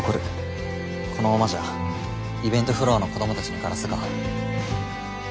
このままじゃイベントフロアの子供たちにガラスが。